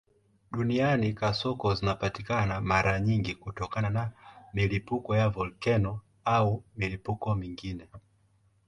Duniani kasoko zinapatikana mara nyingi kutokana na milipuko ya volkeno au milipuko mingine.